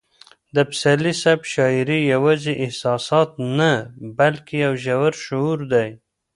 د پسرلي صاحب شاعري یوازې احساسات نه بلکې یو ژور شعور دی.